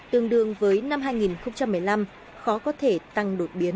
tương đương với năm hai nghìn một mươi năm khó có thể tăng đột biến